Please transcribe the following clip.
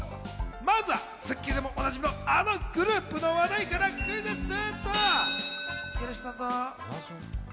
まずは『スッキリ』でもおなじみのあのグループの話題からクイズッス。